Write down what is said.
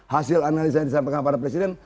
hasil analisa yang disampaikan kepada presiden